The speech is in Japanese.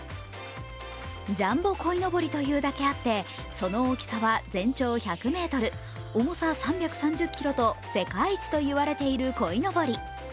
ジャンボこいのぼりというだけあってその大きさは全長１００ｍ、重さ３３０ｋｇと世界一といわれているこいのぼり。